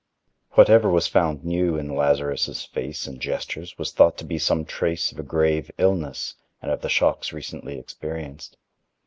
Whatever was found new in Lazarus' face and gestures was thought to be some trace of a grave illness and of the shocks recently experienced.